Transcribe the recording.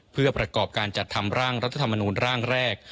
เพื่อประกอบการจัดทำร่างรัฐธรรมนูลร่างแรก